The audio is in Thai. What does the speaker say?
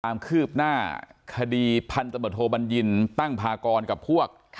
ความคืบหน้าคดีพันธบทโทบัญญินตั้งพากรกับพวก